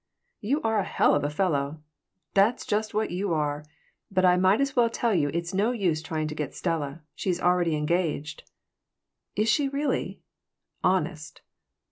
"You are a hell of a fellow. That's just what you are. But I might as well tell you it's no use trying to get Stella. She's already engaged." "Is she really?" "Honest."